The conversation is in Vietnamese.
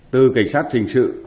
từ cảnh sát trình sự